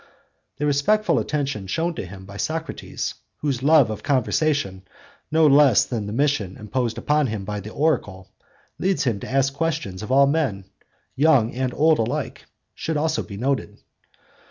The respectful attention shown to him by Socrates, whose love of conversation, no less than the mission imposed upon him by the Oracle, leads him to ask questions of all men, young and old alike, should also be noted.